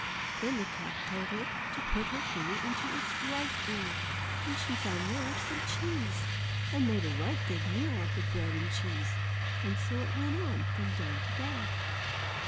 Then the calf told her to put her finger into its right ear, and she found there some cheese, and made a right good meal of the bread and cheese. And so it went on from day to day.